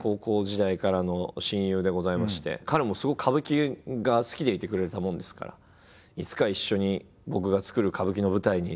彼もすごく歌舞伎が好きでいてくれたもんですからいつか一緒に僕が作る歌舞伎の舞台に出ようと約束をしてまして。